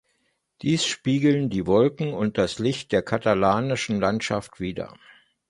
Dies spiegeln die Wolken und das Licht der katalanischen Landschaft wieder.